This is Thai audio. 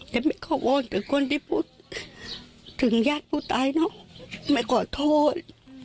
แต่ไม่เขาว่าถึงคนที่พูดถึงญาติผู้ตายเนอะไม่กลัวโทษ